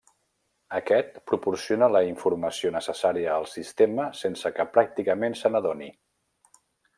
Aquest, proporciona la informació necessària al sistema sense que pràcticament se n'adoni.